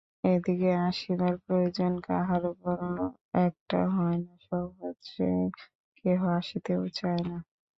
এদিকে আসিবার প্রয়োজন কাহারো বড় একটা হয় না, সহজে কেহ আসিতেও চায় না।